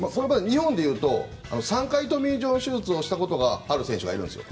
日本でいうと３回トミー・ジョン手術をしたことがある選手がいるんですよ。